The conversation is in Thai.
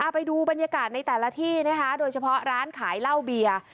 ไปดูบรรยากาศในแต่ละที่นะคะโดยเฉพาะร้านขายเหล้าเบียร์